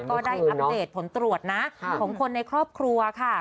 ก็ได้อัปเดตผลตรวจนะของคนในครอบครัวค่ะ